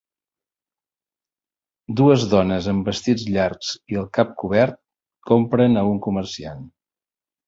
Dues dones amb vestits llargs i el cap cobert compren a un comerciant.